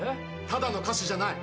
ただの歌手じゃない。